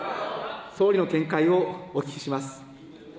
総理の見解をお聞きします。